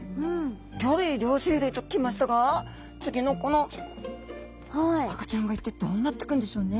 魚類両生類と来ましたが次のこの赤ちゃんは一体どうなってくるんでしょうかね？